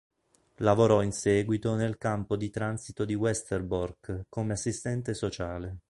Lavorò in seguito nel campo di transito di Westerbork come assistente sociale.